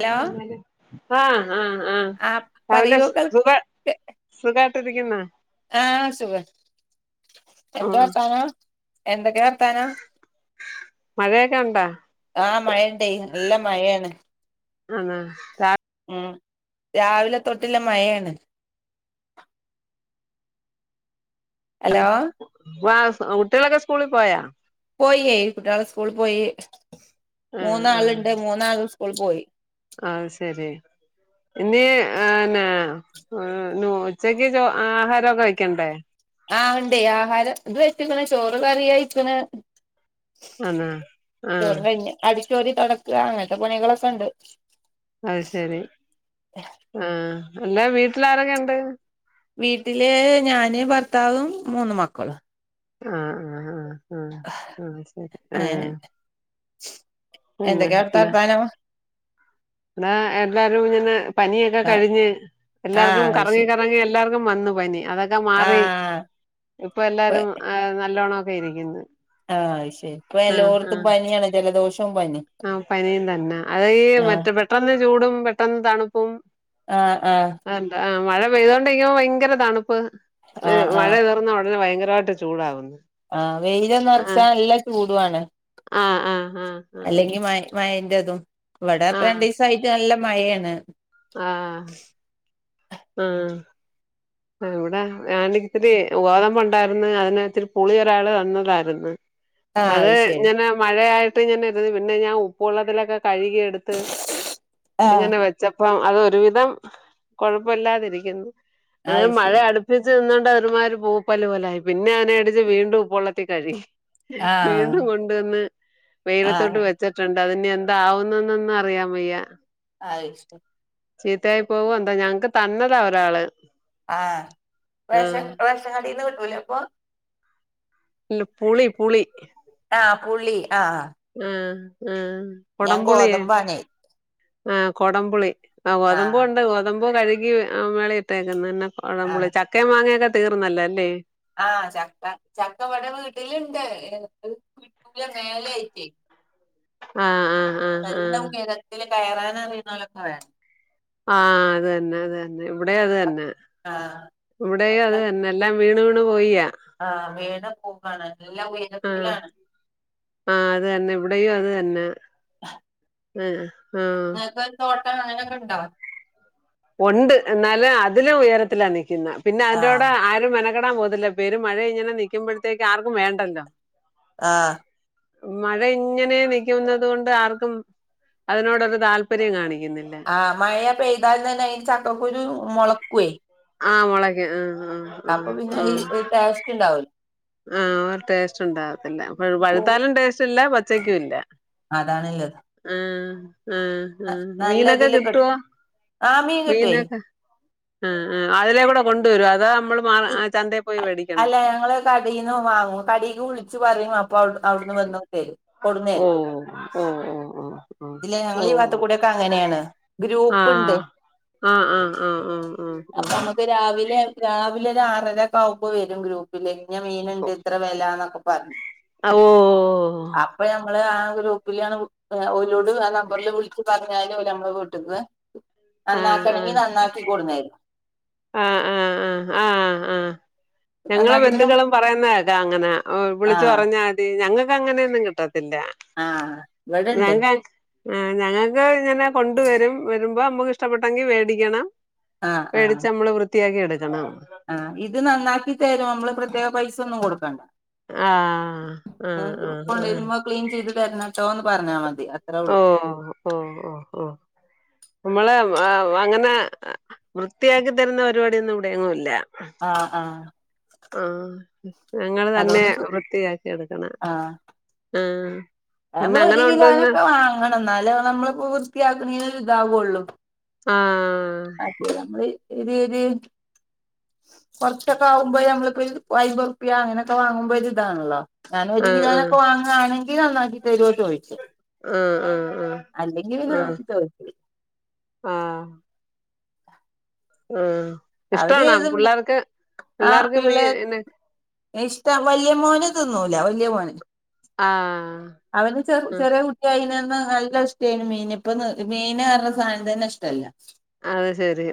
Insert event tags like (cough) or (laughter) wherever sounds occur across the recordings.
Hello ആഹ്. ആഹ്, ആഹ് ആ പറഞ്ഞോ പറയൂ കേൾ സുഖ സുഖായിട്ടിരിക്കുന്നാ. ആഹ് സുഖ എന്ത ആഹ് വർത്താനോ എന്തൊക്കെ വർത്താനോ. മഴയൊക്കെ ഉണ്ടാ. ആഹ് മയ ഇണ്ടേ നല്ല മയയാണ്. ആണാ രാ ഉം രാവിലെ തൊട്ടില്ല മയയാണ്. ഹലോ? വ കുട്ടികളൊക്കെ സ്കൂളിൽ പോയാ. പോയിയെ കുട്ടികള് സ്കൂള് പോയി. ആഹ് മൂന്നാളുണ്ട് മൂന്നാളും സ്കൂൾ പോയി. ആ ശരി. ഇനി ന്നെ ഉച്ചക്കക്ക് ആഹാരോക്കെ വെക്കണ്ടേ? ആ ഇണ്ടേ ആഹാരം ഇത് വെച്ച്ക്കണ് ചോറ് കറി ആയിരിക്കണ്. ആന്നോ ആഹ് ചോറും കഴിഞ്ഞ് അടിച്ചോരി തുടക്ക അങ്ങനത്തെ പണികളൊക്കെണ്ട്. അത് ശരി. ആ അല്ലേ വീട്ടിൽ ആരൊക്കെണ്ട്? വീട്ടില് ഞാന് ഭർത്താവും മൂന്ന് മക്കളും. ആ, ആ, ആ ആ, ആ ശരി അങ്ങനെണ്ട് ആപിന്നെ എന്തൊക്കെയാ അവിടുത്തെ എന്നാ. വർത്താനം അടാ എല്ലാരും ഇങ്ങനെ പനിയൊക്കെ ആ കഴിഞ്ഞ് ആ എല്ലാർക്കും അത് കറങ്ങി, ശരി കറങ്ങി എല്ലാർക്കും. വന്നു പനി അതൊക്കെ മാറി ആ ഇപ്പൊ എല്ലാരും നല്ലോണംക്കെ ഇരിക്കുന്ന്. ആഹ് അത് ശരി ഇപ്പൊ ആ, ആ എല്ലോടത്തും പനിയാണ് ജലദോഷവും പനി ആ പനിയും തന്നെ അത് ഈ ആഹ് മറ്റത്. പെട്ടെന്ന് ചൂടും, പെട്ടെന്ന് തണുപ്പും. ആഹ്ആഹ് അ എന്താ ആ മഴ പെയ്തുക കൊണ്ട ഇരിക്കുമ്പോ ഭയങ്കര തണുപ്പ് ആഹ് ആഹ് മഴയ തീർന്ന ഉടനെ ഭയങ്കരമായിട്ട് ചൂടാവുന്നു ആ വെയിൽ ഒന്ന് എറിച്ച ആഹ് നല്ല ചൂടുവാണ് ആഹ് ആ ഹ്ആഹ് അല്ലെങ്കിൽ മ മഴന്റെ അതും ഇവിടെപോ രണ്ട്സയിട്ട് നല്ല മഴയാണ് ആഹ് ആഹ് ഇവിടെ ഇത്തിരി ഗോതമ്പ ഉണ്ടായിരുന്നു അതി ഇത്തിരി പുളി ഒരാള് തന്നതായിരുന്നു ആഹ് അത് ശരി ഞനെ മഴയായിട്ട് ഞന ഇരുത് പിന്നെ ഞാൻ ഉപ്പള്ളത്തിലലൊക്കെ കഴുകി എടുത്ത് ആഹ് ഇങ്ങനെ വെച്ചപ്പം അത് ഒരുവിധം കൊഴപ്പല്ലാതിരിക്കുന്നു അത് അതായത് ശരി മഴയ അടുപ്പിച്ച് നിന്നുകോണ്ട് ഒരുമാര് പൂപ്പല് പോലായി പിന്നെ അതിനെ അടിച്ച് വീണ്ടും ഉപ്പൊള്ളത്തി കഴുകി ആഹ് വീണ്ടും കൊണ്ടുവന്ന് വെയിലത്തോട്ട് ആഹ് വ വച്ചിട്ടുണ്ട് അതിനി എന്താവുന്നന്നൊന്ന അറിയാം വയ്യ അയി ശ ചീത്തയായി പോകും എന്താ ഞങ്ങക്ക് തന്നതാ ഒരാള് ആഹ് ആ റേഷൻ റേഷൻ കടിന്ന് കിട്ടൂലേ അപ്പൊ ഇല്ല പുളി പുളി ആഹ് പുളി ആഹ് ആഹ് ആ ഹ് ഞാൻ കൊടംപുളിയേ ഗോതമ്പാണേ ആഹ് കൊടംപുളി ആഹ് ഗോതമ്പൂ ഉണ്ട് ഗോതമ്പ കഴുകി മേള ഇട്ടേക്കന്ന്ന്നെ കുടമ്പളി ആഹ് ച ചക്ക മാങ്ങയൊക്കെ തീർന്നല്ലോ അല്ലേ ആഹ് ചക്ക ചക്ക വട വീട്ടിലുണ്ട് കിട്ടൂല മേലെയിട്ടേ ആഹ് ആഹ് ആഹ് നല്ല ആഹ് ഉയരത്തിൽ കയറാൻറിയുന്നല ക്കെ വേണം ആഹ് അത് തന്നെ അത് തന്നെ ഇവിടെ അത് തന്നെ ആഹ് ഇവിടെ അത് തന്നെ എല്ലാം വീണ് വീണ് പോയിയ ആ വീണ് പോകാണ് എല്ലാ ആഹ് ഉയരത്തിലാണ് ആഹ് അതന്നെ ഇവിടെയും അത് തന്നെ ആ ഇങ്ങക്ക് തോട്ടം അങ്ങനൊക്കെണ്ടാ ഉണ്ട് എന്നാലും അതിലും ഉയരത്തിലാണ് നിൽക്കുന്ന പിന്നെ ആഹ് അതിന്റെടെ ആ രും മെനക്കെടാൻ പോകത്തില്ല പെര് മഴ ഇങ്ങനെ നൽക്കുമ്പഴത്തേക്ക് ആർക്കും വേണ്ടല്ലോ ആഹ് മഴ ഇങ്ങനെ നിക്കുന്നുന്നത് ണ്ട് ആർക്കും അതിനോടരു താല്പര്യം കാണിക്കുന്നില്ല ആഹ് മഴയ പെയ്താല തന്നെ അയിന് ചക്ക കുരു രു മുളക്കുവേ ആഹ് മൊളക്കും ആഹ് ആഹ് അപ്പ പിന്നഇ ഇ ടേസ്റ്റ് ഉണ്ടാവില്ല ആഹ്അ ടേസ്റ്റ് ഉണ്ടാവത്തില്ല കൂ പഴുത്താലും ടേസ്റ്റ് ഇല്ല പച്ചക്കുല്ല അതാണ്ള്ളത് ആഹ് ആഹ് ആഹ് നല്ലതില് മീനൊക്കെകിട്ടോ കിട്ടും ആഹ് മീൻ കിട്ടുവേ മീനൊക്കെ ആഹ് അതിലേക്കൂടെ കൊണ്ടുവരോ അതാ നമ്മള് മാ ഈ ചന്തയിൽ പോയി അ- മെടിക്കണോ അല്ല ഞങ്ങള് കടീന്ന് വാങ്ങും കടിക്ക് വിളിച്ച് പറയും അപ്പ അവിടുന്ന് വന്ന്ക്കെ തരും ഓ കൊടുന്നരും ഓ ഓ ഓ ഇല്ല ഞങ്ങളെഈവാത്ത്കൂടക്കെ അങ്ങനെണ് ഗ്രൂപ്പ്ണ്ട് ആഹ് ആഹ് ആഹ് ആഹ് ആഹ് ആഹ് അപ്പൊ നമുക്ക് രാവിലെ രാവിലെ ഒരു ആറര ഒക്കെ ആവുമ്പോ വരും ഗ്രൂപ്പ് പ്പ്ല്ന്ന മീന്ണ്ട് ഇത്ര വെലാന്നൊക്കെ പറഞ്ഞ് ആഹ് ഓഹ് അപ്പൊഞമ്മള് ആഹ് ഗ്രൂപ്പിലണ് (inaudible) ലൊട് ആഹ് നമ്പറിൽ വിളിക്കുംന്നറഞ്ഞാല് നമ്മളെ വീട്ട്ന്ന് ആഹ് നന്നാക്കണങ്കിനന്നാക്കികൊട്ന്നേരും ആഹ് ആഹ് ആഹ് ആഹ് ആഹ് ആഹ് ഞങ്ങളും നന്നാക്കണെങ്കി ബന്ധുകളും പറയുന്നതേക്കാ അങ്ങനെ വിളിച്ചു ആഹ് പറഞ്ഞാൽ ഞങ്ങക്ക് അങ്ങനെയൊന്നും കിട്ടത്തില്ല ആഹ് ഇവിടെണ്ട് ഞങ്ങ്ക് ആഹ് ഞങ്ങക്ക് ഇങ്ങനെ കൊണ്ട് വരും വരുമ്പോ നമ്മുക്ക് ഇഷ്ടപ്പെട്ടെങ്കി മേടിക്കണം ആഹ് ആഹ് നമ്മള് വൃത്തിയാക്കി എടുക്കണം ആഹ് ഇത് നന്നാക്കി തരും നമ്മള് പ്രത്യേകം പൈസ ഒന്നും കൊടുക്കണ്ട ആഹ് ആഹ് ആഹ് ആഹ് കൊണ്ടുവരുമ്പോ ക്ലീൻ ചെയ്ത് തരണട്ടോന്ന് പറഞ്ഞാ മതി അത്രേ ഉള്ളൂ ഓഹ് ഓഹ് ഓഹ് ഓഹ് നമ്മളെ അങ്ങനെ വൃത്തിയാക്കി തരുന്ന പരിപാടിയൊന്നും ഇവിടെങ്ങുംല്ല ആഹ് ആഹ് ആഹ് ഞങ്ങൾ തന്നെ അതുകൊണ്ട് സു വൃത്തിയാക്കി എടുക്കണം ആഹ് ആഹ് പിന്നെ നമ്മള് ഒരു അങ്ങനെ കൊണ്ടുവന്ന കിലോനൊക്കെ വാങ്ങണം ഇന്നാല് നമ്മളിപ്പോ വൃത്തിയാക്കണീന് ഒരു ഇതാവുള്ളൂ ആഹ് അയ്കുടെ നമ്മള് ഒര് രി കുറച്ചൊക്കെ ആകുമ്പോ നമ്മളിപ്പോ ഒരു അയ്മ്പ്റ്പിയ അങ്ങനെയൊക്കെ വാങ്ങ്മ്പോ ഇത് ഇതാണല്ലോ ഞാന് ഒരു ആഹ് ആഹ് കിലോനൊക്കെ വാങ്ങണങ്കിനന്നാക്കിതരോചോയ്ച്ചും ആഹ് ആഹ് ആഹ് അല്ലെങ്കിൽ നോ ആഹ് (unintelligible) ആഹ് ആഹ് അവര് ഇഷ്ടണൊ ഇത് പുള്ളേർക്ക് പിള്ളേർക്ക് മീന് ഇഷ്ട വല്യ മോന് തിന്നൂല വല്യ മോന് ആഹ് അവന് ചെ ആ ചെറിയ കുട്ടിയിനന്ന് നല്ല ഇഷ്ടമായിന് മീന് ഇപ്പൊ മീന് ന്ന് സാധനം തന്നെ ഇഷ്ടല്ല അത്ശെരി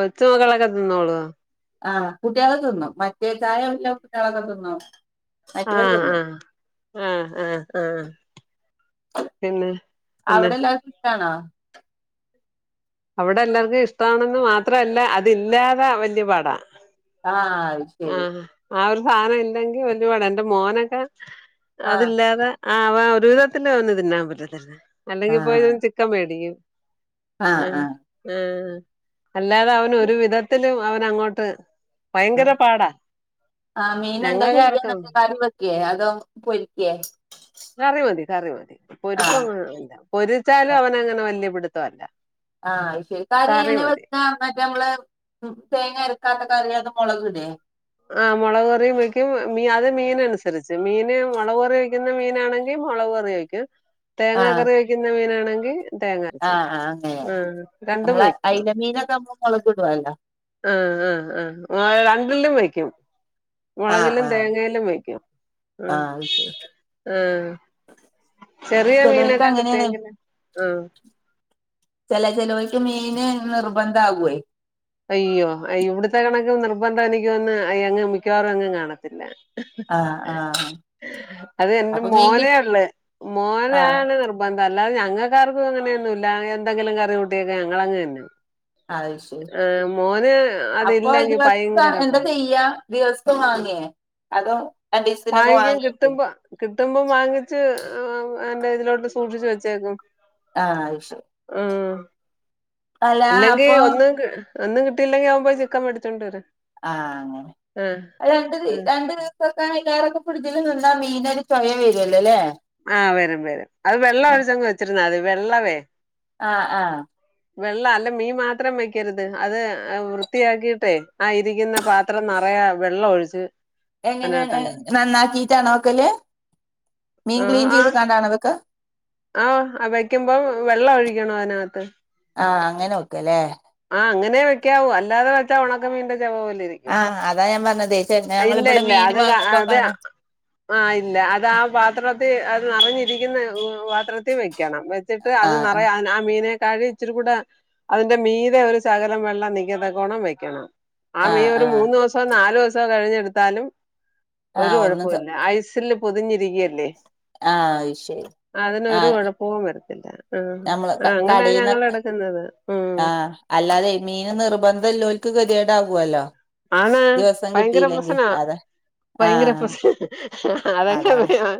ഒച്ച് മക്കളൊക്കെ തിന്നോളൂ ആഹ് കുട്യള് തിന്നും മറ്റേ ചായല്ല കുട്ടിളൊക്കെതിന്നും ആഹ് ആഹ് ആഹ് ആഹ് ആഹ് പിന്നെ പിന്നെ ആണോ അവിടെ എല്ലാവർക്കും ഇഷ്ടമാണെന്ന് മാത്രല്ല അതില്ലാതെ വല്യ പാടാ ആഹ് ആയി ആഹ് ആഹ് ഒരു സാധനം ഇല്ലെങ്കി വല്യ പാട് എന്റെ മോനൊക്കെ ആഹ് അതില്ലാതെ ആഹ് അവ ഒരു വിധത്തില്ഓന് തിന്നാ പറ്റത്തില്ല അല്ലെങ്കിപ്പോയി ആഹ് ഓൻചിക്കം മേടിക്കും ആഹ് ആഹ് അല്ലാതെ അവന് ഒരു വിധത്തിലും അവനങ്ങോട്ട് ഭയങ്കര ആഹ് ആഹ് മീൻ എന്താ ചെയ്യാ ഞങ്ങക്കാർക്കും എന്നൊക്കെ കാര്യ വെക്കേ അതോ പൊരിക്കേ കറി മതി കറി മതി പൊരിപ്പ ആഹ് അങ്ങല്ല പൊരിച്ചാലും അവന അങ്ങനെ വല്ല്യ പിടുത്തംല്ല ആഹ് ശരി കാര്യംങ്ങനെ മറ്റേ നമ്മള് തേങ്ങ അരക്കാത്ത കറി അത് മുളകലേ ആ മൊളവ് കറിയും വെക്കും മീ അത് മീനനുസരിച്ച് മീന് മൊളവ്കറി വെക്കുന്ന മീനാണെങ്കി മൊളവ് കറി വെക്കും തേങ്ങാ ആഹ് കറി വെക്കുന്ന മീനാണെങ്കി തേങ്ങ അരച്ച് ആഹ് വെക്കും ആഹ് അങ്ങനെ ആ രണ്ടും വെ നമ്മള് അയില മീനൊക്ക (unintelligible) ആഹ് ആഹ് ആ് രണ്ടിലും വയ്ക്കും ആഹ് മൊളകിലും ആഹ് തേങ്ങയിലും വെക്കും ആഹ് അത് ശരി ആഹ് ചെറിയ ചെലോൽക്ക് മീനൊക്കെ അങ്ങനെയാണ് കിട്ടിയെങ്കില് ആഹ് ചെല ചേലോൽക് മീന് നിർബന്ധ ആകുവേ അയ്യോ ഇവിടുത്തെ കണക്കും നിർബന്ധം എനിക്കും ഒന്ന് അയ അങ്ങ് മിക്കവാറും അങ്ങ് കാണത്തില്ല ആഹ് ആഹ് അത് എന്റെ അപ്പൊ മീൻ കി മോനെഒള്ളെ ആഹ് മോനാണ് നിർബ ന്ധം അല്ലാതെ ഞങ്ങൾക്കാർക്കും അങ്ങനൊന്നും ഇല്ല എന്തങ്കിലും കറികൂട്ടിയൊക്കെ ഞങ്ങളങ്ങ് തിന്നും. അഹ് ശരി മോന് അപ്പൊ ഇ അതില്ലെങ്കി ദിവസം ഭയങ്കര പാ എന്താ ചെയ്യ ദിവസോം വാങ്ങിയേ അതോ രണ്ടീസത്തിനൊക്കെ വാങ്ങിക്കൻ വാങ്ങിയല്ലേ കിട്ടുമ്പോ കിട്ടുമ്പം വാങ്ങിച്ച് എന്റെ ഇതിലോട്ട് സൂക്ഷിച്ചു വെച്ചേക്കും ആഹ് അത് ശെരി ആഹ് ഇല്ലെങ്കിൽ അപ്പൊ ഒന്ന് കി ഒന്നും കിട്ടിയില്ലെങ്കി അവമ്പോയി ചിക്കൻ വേടിച്ചോണ്ട് വരും ആഹ് അങ്ങനെ ആഹ് രണ്ട് ആഹ് രണ്ട് ഇ (unintelligible) ഫിഡ്ജിൽ നിന്നാ മീനോര് ചൊയ വരോല്ലോ ല്ലേ ആഹ് വരും വരും അത് വെള്ളം ഒഴിച്ചങ്ങ് വെച്ചിരുന്നാല് വെള്ളവേ ആഹ് ആഹ് വെള്ള അല്ല മീ മാത്രം വെക്കരുത് അത് വൃത്തിയാക്കിട്ടെ ആ ഇരിക്ക്ന്ന പാത്രം നറയെ വെള്ളം ഒഴിച്ച് എങ്ങനെയാണ് അതിനകത്തങ്ങ് നന്നാക്കീട്ടാണോ വക്കല് മീൻ ക്ലീൻ ചെയ്ത് ആഹ് കാണ്ടാണോ വെക്കാ ആഹ് വയ്ക്കുമ്പം വെള്ളം ഒഴിക്കണോ അതിനകത്ത് ആഹ് അങ്ങനെ വെക്കാല്ലേ ആഹ് അങ്ങനെ വെക്കാവൂ അല്ലാതെ വെച്ചാ ഉണക്കമീനിൻന്റെ ചവ പോലെ ഇരി ആഹ് അതാ ഞാൻ പറഞ്ഞതേയ് ഞങ്ങള് ഇവടെ മീൻ വാങ്ങുമ്പോ കാണാ ആഹ് ഇല്ല അതാ പാത്രത്തിൽ അത് നിറഞ്ഞിരിക്കുന്ന പാത്രത്തി വെക്കണം വെ ച്ചിട്ട് അത് ആഹ് ആഹ് നറയെ മീനെക്കായി ഇച്ചിരി കൂടെ അതിന്റെ മീൻ ഒരു സകലം വെള്ളം നിക്കാതെ ഗുണം വെക്കണം ആ മീൻ ആഹ് ഒരു ആഹ് മൂന്ന് ദവസം നാല് ദിവസോം കഴിഞ്ഞെടുത്താലും ഒരു ആഹ് ഒന്നും കൊഴപ്പോല്ല ഐസില് ഐസില് പൊതിഞ്ഞിരിക്കല്ലേ ആഹ് അത് ശരി അതിനൊരു ആഹ് കൊഴപ്പവും വരത്തില്ല ആ നമ്മള് ആ അങ്ങനാ ഞങ്ങൾ കടേന്നൊക്കെ എടക്കന്നത് അഹ് ആഹ് അല്ലാതെ മീൻ നിർബന്ധല്ലോൽക്ക് കെതിയേട് ആവോലോ ആണ് ഭയങ്കര പ്രശ്നാ അതെ ഭയങ്കര ആഹ് പ്രശ് അതന്നെ പൊ അതാണ് ഞാൻ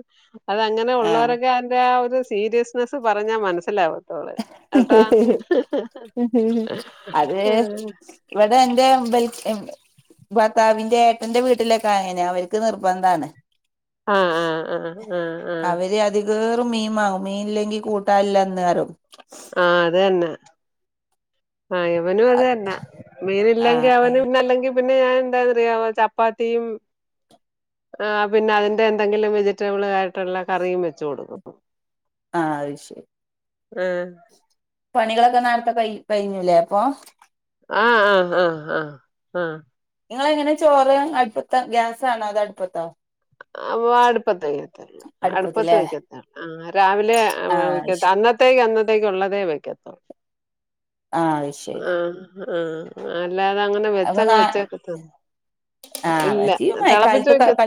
അത അങ്ങനെ ആഹ് ഉള്ളവരൊക്കെ അതിന്റെ ആ ഒരു സീരിയസ്നെസ്സ് പറഞ്ഞാൽ മനസ്സിലാവും ഉ അതെ ഇവിടെ എന്റെ ഇവ ഭർത്താവിന്റെ ഏട്ടന്റെ വീട്ടിലൊക്കെ അങ്ങനെ അവർക്ക് നിർബന്ധമാണ് ആഹ് ആഹ് ആഹ് അവര് അധികേറും മീൻമാങ്ങും മീൻ ഇല്ലെങ്കി കൂട്ടാനില്ലന്നാറും ആഹ് അത് തന്നെ ആഹ് ഇവനും അത് തന്ന ആഹ് മീന്ല്ലെങ്കിൽ അവനും ആഹ് ഇന്നല്ലെങ്കിൽ പിന്നെ ഞാൻ എന്താെന്നറിയ ചപ്പാത്തീം ആഹ് പിന്നെ അതിന്റെ എന്തെങ്കിലും വെജിറ്റബിൾ ആയിട്ടുള്ള കറിയും വെച്ചു കൊടുക്കും ആഹ് അയ്ശരി ആഹ് പണികളൊക്കെ നേര്ത്തെ കയി കഴിഞ്ഞു ലെ അപ്പൊ ആഹ് ആ ആ ആ ആ നിങ്ങളെങ്ങനെ ചോറ് അടുപ്പത്താ, ഗ്യാസാണോ അതോ അടുപ്പത്തോ അ അടുപ്പത്തേവെക്കത്തൊള്ളൂ അടുപ്പത്ത് അടുപ്പത്തിലേ വയ്ക്കത്തൊള്ളൂ ആ രാവിലെ ആഹ് അത് ക്ക ശരി അന്നത്തെ ട്ടേക്ക് അന്നത്തേക്ക് ഉള്ളതേ വെക്കത്തൊള്ളൂ ആഹ് അത് ശരി ആഹ് ആഹ് അല്ലാതങ്ങനെ അപ്പൊ വെച്ചങ് നാ വെച്ചേക്കത്തൊന്നും ആഹ് ഇല്ല അതൊക്കെ തെളപ്പിച്ച് വെക്കത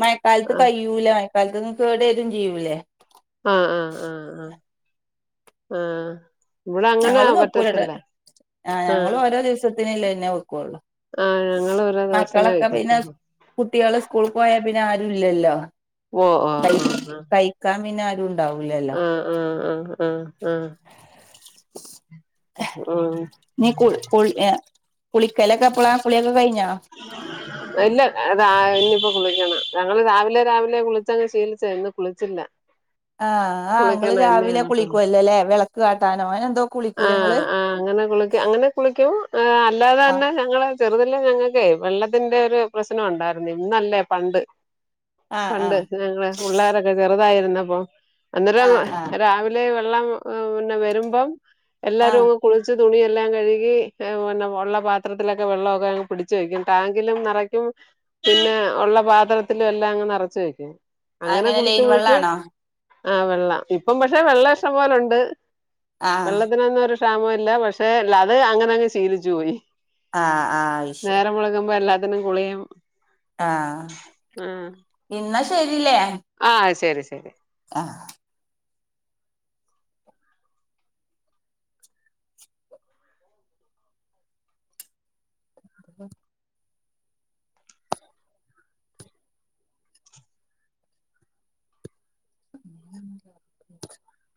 മയക്കാലത്ത് കയ്യൂലാ മഴക്കാലത്തിന്ന് കേടുവെരും ചെയ്യൂലേ ആഹ് ആഹ് ആഹ് ആഹ്. ആഹ് ഇവടെ അങ്ങനെ ഞങ്ങളും വെക്കൂലട്ടോ പറ്റത്തില്ലാ ആഹ് ത്തിനില്ലന്നെ വെക്കുവൊള്ളൂ. ആഹ് ഞങ്ങള് ഓരോ ദിവസനേ കഴ്ക്കത്താണ് കുട്ടികള് സ്കൂൾ പോയാ പിന്നെ ആരുല്ലല്ലോ ഓ ഓ ആ കഴി ആ കഴിക്കാൻ പിന്നെ ആരു ഉണ്ടാവൂലല്ലാ ആഹ് ആഹ് ആഹ് ആഹ് ഉം നീ കുൾ കുളി ഏഹ് കുളിക്കലൊക്കെ എപ്പളാ കുളിയൊക്കെ കഴിഞ്ഞോ? (inaudible) ഇല്ല അതാ ഇനിയിപ്പോ കുളിക്കണം ഞങ്ങള് രാവിലെ രാവിലെ കുളിച്ചങ്ങ് ശീലിച്ചതാ ഇന്ന് കുളിച്ചില്ല. (inaudible) ആഹ് ആഹ് ങ്ങള് കുളിക്കണം എന്നെ രാവിലെ അങ്ങോട്ട് കുളിക്കുവല്ലൊല്ലേ വിളക്ക് കാട്ടാനോ അങ്ങനെന്തോ ആഹ് ആഹ് അങ്ങനെ കുള്ക്കി അങ്ങന കുളിക്കും ഏഹ് അല്ലാതെ ആഹ് തന്നെ ഞങ്ങള് ചെറുതിലേ ഞങ്ങക്കെ വെള്ളത്തിന്റെ ഒരു പ്രശ്‌- നം (unintelligible) ഒണ്ടാരുന്ന് ഇന്നല്ലേ പണ്ട് ആഹ് പണ്ട് ആഹ് ഞങ്ങള് പിള്ളേരൊക്കെ ചെറുതായിരുന്നപ്പോ അന്നേരം ആഹ് ആഹ് രാവി- ലെ വെള്ളം പിന്നെ വെരുമ്പം എല്ലാരും ആഹ് അങ്ങ് കുളിച്ച് തുണിയെല്ലാം കഴുകി ഏഹ് പിന്നെ ഉള്ള പാത്രത്തിലൊക്കെ വെള്ളമൊക്കെ അങ്ങ് പിടിച്ച് വയ്ക്കും ടാങ്കിലും നെറക്കും പിന്നെ ഒള്ള പാത്രത്തിലും എല്ലാം അങ്ങ് നിറച്ച് വെക്കും അങ്ങനെ കുളിച്ച് ലൈൻ കുളിച്ച് വെള്ളാണോ ആഹ് വെള്ള ഇപ്പം പക്ഷെ വെള്ളം ഇഷ്ട്ടം പോലുണ്ട് ആഹ് വെള്ളത്തിനൊന്നും ഒരു ക്ഷാമോ ഇല്ല പക്ഷെലത് അങ്ങനെ അങ്ങ് ശീലിച്ചു പോയി. ആഹ് ആഹ് അയ്ശരി നേരം വെളുകുമ്പോ എല്ലാത്തിനും കുളിയും ആഹ് ഇന്നാ ശെരില്ലേ ആഹ് ശെരി ശെരി ആ (inaudible) (inaudible)